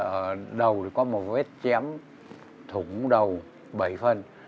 ở đầu có một vết chém thủng đầu bảy phân